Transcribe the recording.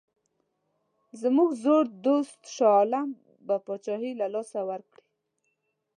زموږ زوړ دوست شاه عالم به پاچهي له لاسه ورکړي.